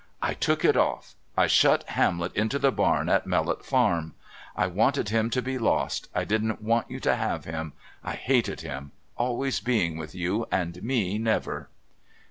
"I took it off. I shut Hamlet into the barn at Mellot Farm. I wanted him to be lost. I didn't want you to have him. I hated him always being with you, and me never."